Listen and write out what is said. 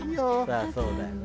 まあそうだよな。